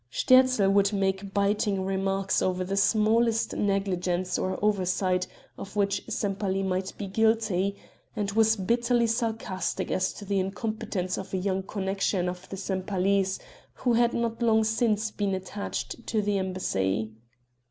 Sterzl would make biting remarks over the smallest negligence or oversight of which Sempaly might be guilty, and was bitterly sarcastic as to the incompetence of a young connection of the Sempalys who had not long since been attached to the embassy.